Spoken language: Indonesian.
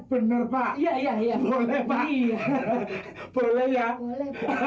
bener pak ya ya ya boleh pak boleh ya hahaha